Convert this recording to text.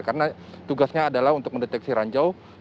karena tugasnya adalah untuk mendeteksi ranjau